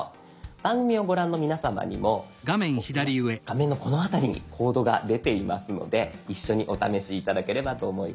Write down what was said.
番組をご覧の皆さまにもこう今画面のこの辺りにコードが出ていますので一緒にお試し頂ければと思います。